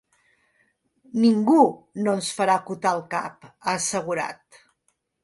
“Ningú no ens farà acotar el cap”, ha assegurat.